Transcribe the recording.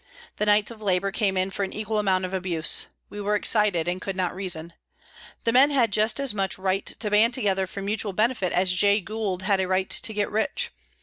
The knights of Labour came in for an equal amount of abuse. We were excited and could not reason. The men had just as much right to band together for mutual benefit as Jay Gould had a right to get rich.